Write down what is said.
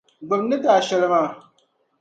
Gbibi n ni ti a shεli maa.